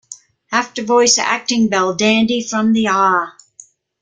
After voice acting Belldandy from the Ah!